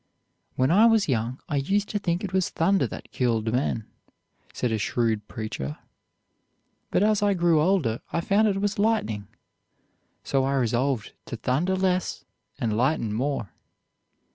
"When I was young I used to think it was thunder that killed men," said a shrewd preacher; "but as I grew older, I found it was lightning. So I resolved to thunder less, and lighten more."